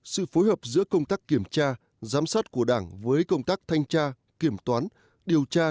sự phối hợp giữa công tác kiểm tra giám sát của đảng với công tác thanh tra kiểm toán điều tra